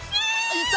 いた！